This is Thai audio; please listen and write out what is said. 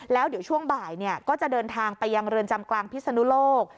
แล้วเดี๋ยวช่วงบ่ายก็จะเดินทางไปยังเรือนจำกลางพิศนุโลก